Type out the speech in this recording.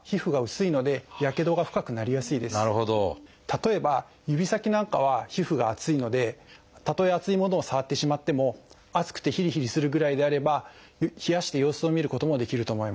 例えば指先なんかは皮膚が厚いのでたとえ熱いものを触ってしまっても熱くてヒリヒリするぐらいであれば冷やして様子を見ることもできると思います。